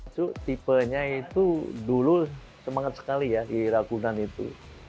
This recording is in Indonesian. cuma tipenya itu dulu semangat sekali ya di ragunan itu